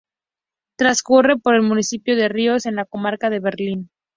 Transcurre por el municipio de Riós, en la comarca de Verín.